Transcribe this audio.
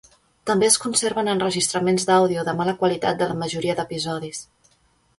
També es conserven enregistraments d'àudio de mala qualitat de la majoria d'episodis.